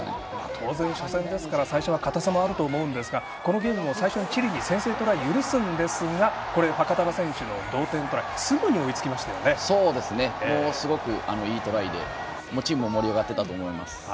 当然、初戦ですから最初は硬さもあると思いますがこのゲームも最初はチリに先制トライを許すんですがファカタヴァ選手の同点トライですごくいいトライでチームも盛り上がっていたと思います。